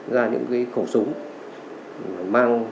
ra những khẩu súng